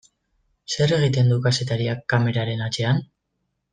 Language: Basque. Zer egiten du kazetariak kameraren atzean?